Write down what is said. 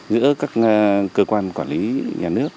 giữa các cơ quan quản lý nhà nước